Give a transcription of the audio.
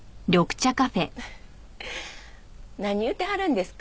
フフッ何言うてはるんですか？